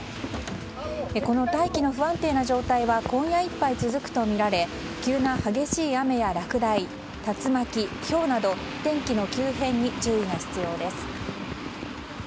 この大気の不安定の状態は今夜いっぱい続くとみられ急な激しい雨や落雷竜巻、ひょうなど天気の急変に注意が必要です。